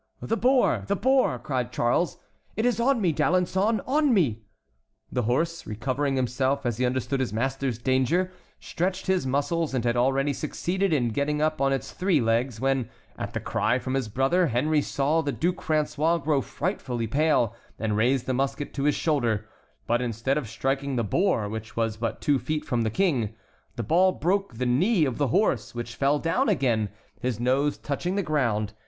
"The boar! the boar!" cried Charles; "it is on me, D'Alençon! on me!" The horse, recovering himself as if he understood his master's danger, stretched his muscles, and had already succeeded in getting up on its three legs, when, at the cry from his brother, Henry saw the Duc François grow frightfully pale and raise the musket to his shoulder, but, instead of striking the boar, which was but two feet from the King, the ball broke the knee of the horse, which fell down again, his nose touching the ground.